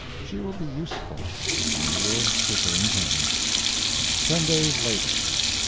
She will be useful. I will superintend. TEN DAYS LATER.